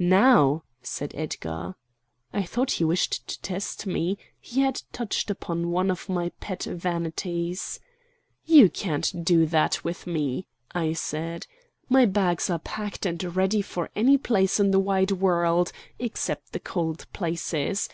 "Now!" said Edgar. I thought he wished to test me; he had touched upon one of my pet vanities. "You can't do that with me!" I said. "My bags are packed and ready for any place in the wide world, except the cold places.